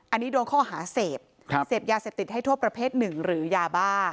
อันนี้โดนข้อหาเสพเสพยาเสพติดให้โทษประเภทหนึ่งหรือยาบ้า